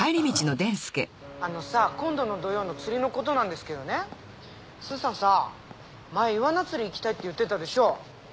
あのさ今度の土曜の釣りのことなんですけどねスーさんさ前イワナ釣り行きたいって言ってたでしょ。